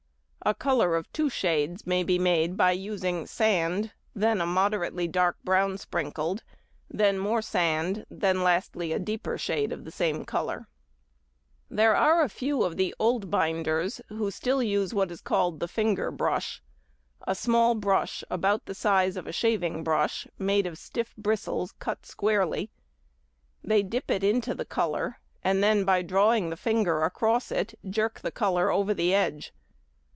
A colour of two shades may be made by using sand, then a moderately dark brown sprinkled, then more sand, and lastly a deeper shade of same colour. [Illustration: Sprinkling Brush and Sieve.] There are a few of the "Old Binders" who still use what is called the "finger brush," a small brush about the size of a shaving brush, made of stiff bristles cut squarely. They dip it into the colour, and then by drawing the finger across it jerk the colour over the edge.